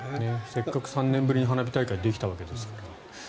せっかく３年ぶりに花火大会ができたんですから。